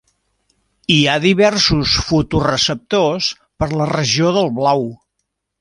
Hi ha diversos fotoreceptors per la regió del blau.